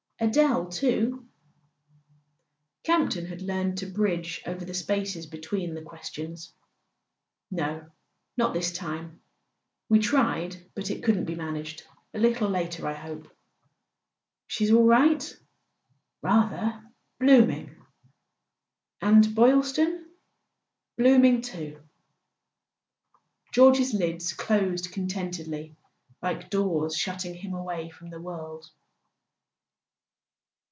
"Adele too?" Campton had learned to bridge over the spaces be¬ tween the questions. "No; not this time. We tried, but it couldn't be managed. A little later, I hope " "She's all right?" "Rather! Blooming." "And Boylston?" "Blooming too." [ 296 ] A SON AT THE FRONT George's lids closed contentedly, like doors shutting him away from the world.